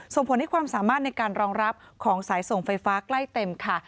ส่งผลให้ความสามารถในการรองรับของสายส่งไฟฟ้าใกล้เต็มค่ะ